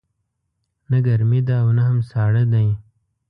نه ګرمې ده او نه هم ساړه دی